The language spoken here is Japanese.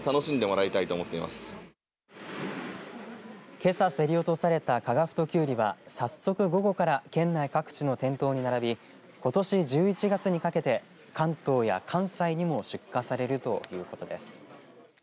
けさ競り落とされた加賀太きゅうりは早速午後から県内各地の店頭に並びことし１１月にかけて関東や関西にも出荷されるということです。